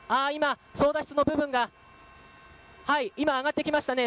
操舵室の部分が上がってきましたね。